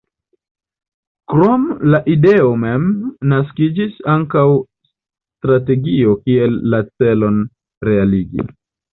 Krom la ideo mem naskiĝis ankaŭ strategio kiel la celon realigi.